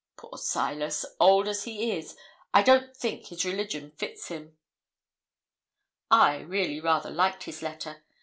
Poor Silas! old as he is, I don't think his religion fits him.' I really rather liked his letter.